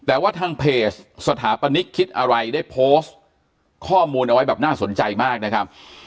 แต่ว่าทางเพจสถาปนิกคิดอะไรได้โพสต์ข้อมูลเอาไว้แบบน่าสนใจมากนะครับ